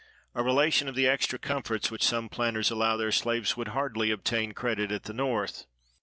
A relation of the extra comforts which some planters allow their slaves would hardly obtain credit at the North.